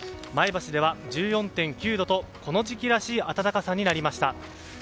前橋では１４．９度とこの時期らしい暖かさになりました。